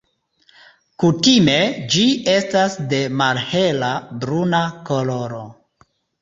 Kutime ĝi estas de malhela bruna koloro.